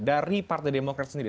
dari partai demokrat sendiri